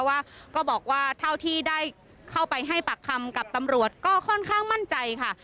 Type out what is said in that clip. ว่าก็บอกว่าเท่าที่ได้เข้าไปให้ปากคำกับตำรวจก็ค่อนข้างมั่นใจค่ะ